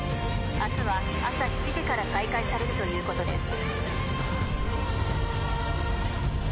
明日は朝７時から再開されるということです。